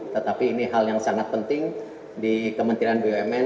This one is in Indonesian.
tetapi ini hal yang sangat penting di kementerian bumn